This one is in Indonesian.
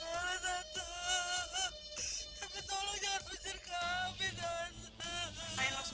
apa aku harus berkorban demi adik adikku